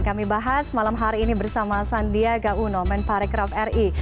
kami bahas malam hari ini bersama sandiaga uno men parekraf ri